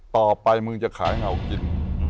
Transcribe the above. ต่อไปมึงจะขายเหงากิน